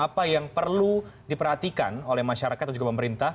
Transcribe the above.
apa yang perlu diperhatikan oleh masyarakat atau juga pemerintah